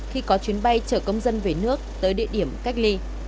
khi có chuyến bay chở công dân về nước tới địa điểm cách ly